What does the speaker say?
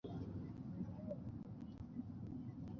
হা, পেয়ে গেছি।